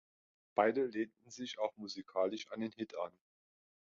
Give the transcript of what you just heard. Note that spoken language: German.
Beide lehnten sich auch musikalisch an den Hit an.